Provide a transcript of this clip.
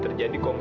tapi pada akhirnya